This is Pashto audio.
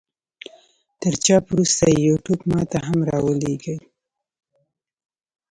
تر چاپ وروسته يې يو ټوک ما ته هم را ولېږئ.